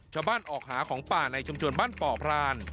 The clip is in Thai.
ชาวบ้านออกหาของป่าในชุมชนบ้านป่อพราน